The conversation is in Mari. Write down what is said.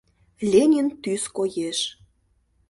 Ленин тӱс коеш